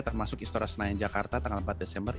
termasuk istora senayan jakarta tanggal empat desember